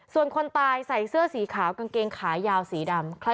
ส่วนคนตายใส่เสื้อสีขาวกางเกงขายาวสีดำ